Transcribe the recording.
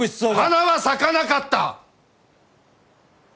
花は咲かなかった！